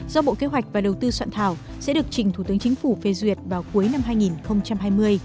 do bộ kế hoạch và đầu tư soạn thảo sẽ được trình thủ tướng chính phủ phê duyệt vào cuối năm hai nghìn hai mươi